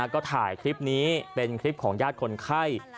ก็ถ่ายคลิปนี้เป็นคลิปของญาติคนไข้